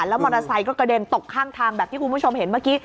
แล้วมอเตอร์ไซค์ก็กระเด็นตกข้างทางแบบที่คุณผู้ชมเห็นเมื่อกี้